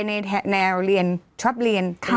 ในแบบแบบชอปเรียน